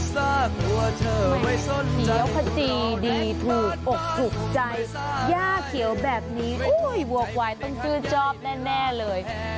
เหยียวขจีดีถูกอกหุบใจย่าเขียวแบบนี้โอ้ยวัวกวายต้องคือจอบแน่เลย